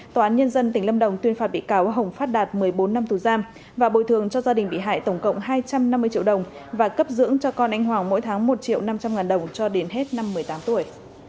tòa án nhân dân tỉnh lâm đồng tuyên phạt bị cáo hồng phát đạt một mươi bốn năm tù giam và bồi thường cho gia đình bị hại tổng cộng hai trăm năm mươi triệu đồng và cấp dưỡng cho con anh hoàng mỗi tháng một triệu năm trăm linh ngàn đồng cho đến hết năm một mươi tám tuổi